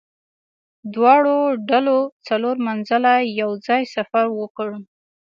دواړو ډلو څلور منزله یو ځای سفر وکړ.